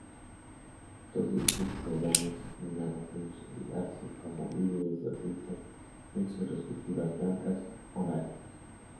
Todos estos programas lograron consolidarse como líderes de audiencia en sus respectivas franjas horarias.